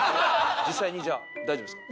実際にじゃあ大丈夫ですか？